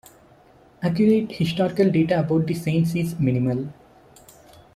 Accurate historical data about the saints is minimal.